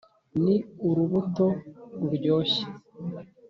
ni urubuto ruryoshye